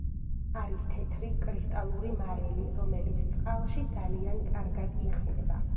არის თეთრი, კრისტალური მარილი, რომელიც წყალში ძალიან კარგად იხსნება.